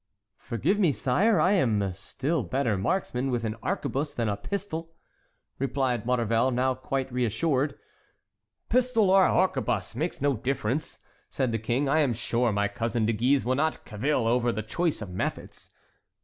"Forgive me, sire, I am a still better marksman with an arquebuse than a pistol," replied Maurevel, now quite reassured. "Pistol or arquebuse makes no difference," said the King; "I am sure my cousin De Guise will not cavil over the choice of methods."